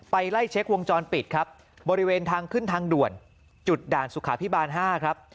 ไล่เช็ควงจรปิดครับบริเวณทางขึ้นทางด่วนจุดด่านสุขาพิบาล๕ครับ